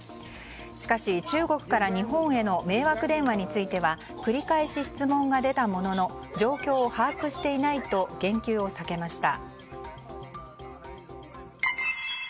しかし、中国から日本への迷惑電話については繰り返し質問が出たものの状況を把握していないと言及を避けました。